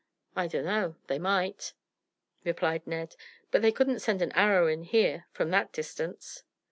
"I dunno; they might," replied Ned; "but they couldn't send an arrow in here from that distance."